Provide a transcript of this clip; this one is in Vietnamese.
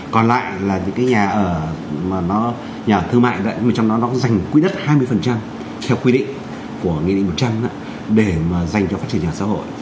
còn lại là những nhà ở thương mại trong đó nó dành quỹ đất hai mươi theo quy định của nghị định một trăm linh để mà dành cho phát triển nhà ở xã hội